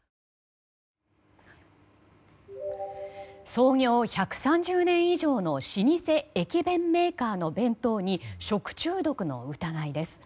創業１３０年以上の老舗駅弁メーカーの弁当に食中毒の疑いです。